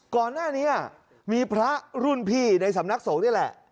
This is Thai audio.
ก่อนหน้านี้มีพระรุ่นพี่ในสำนักสงฆ์นี่แหละ